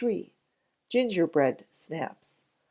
Gingerbread Snaps.